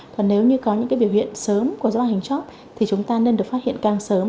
còn nếu như có những cái biểu hiện sớm của do hình chóp thì chúng ta nên được phát hiện càng sớm